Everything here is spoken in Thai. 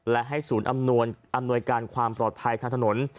และให้ศูนย์อำนวยการความปลอดภัยทางถนน